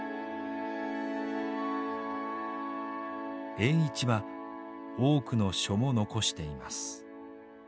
栄一は多くの書も残しています。